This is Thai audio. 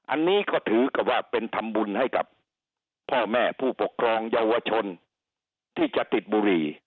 อันนี้ก็ถือกับว่าเป็นทำบุญให้กับพ่อแม่ผู้ปกครองเยาวชนที่จะติดบุหรี่